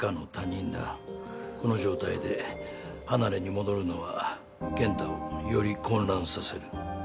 この状態で離れに戻るのは健太をより混乱させる。